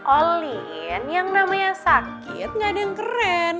olin yang namanya sakit gak ada yang keren